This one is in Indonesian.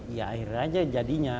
ya akhir aja jadinya